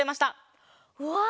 うわ！